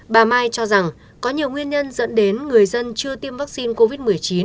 bà mai cho rằng có nhiều nguyên nhân dẫn đến người dân chưa tiêm vaccine covid một mươi chín